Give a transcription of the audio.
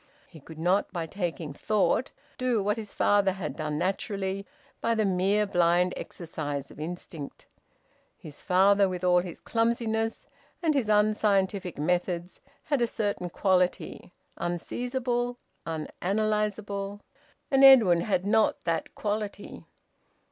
He could not, by taking thought, do what his father had done naturally, by the mere blind exercise of instinct. His father, with all his clumsiness, and his unscientific methods, had a certain quality, unseizable, unanalysable, and Edwin had not that quality.